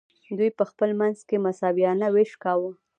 دوی په خپل منځ کې مساویانه ویش کاوه.